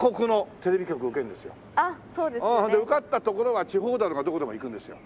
受かったところが地方だろうがどこでも行くんですよ。